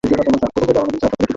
অনুপ্রবেশের জন্য দুঃখিত, স্যার।